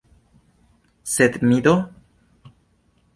Sed mi do?